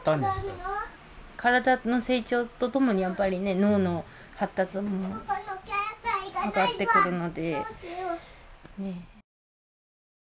体の成長とともにやっぱりね脳の発達も関わってくるので。